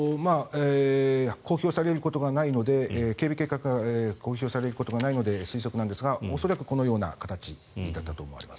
公表されることがないので警備計画が公表されることがないので推測なんですが恐らくこのような形だったと思われます。